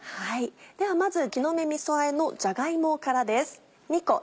ではまず木の芽みそあえのじゃが芋からです。